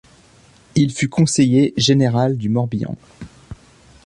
Il fut conseiller général du Morbihan.